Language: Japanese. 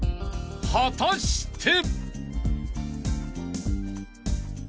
［果たして？］